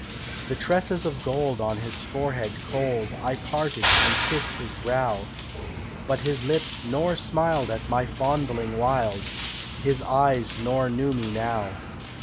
The tresses of gold on his forehead cold I parted, and kissed his brow, But his lips nor smiled at my fondling wild, His eyes nor knew me now.